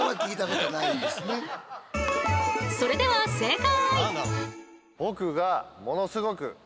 それでは正解！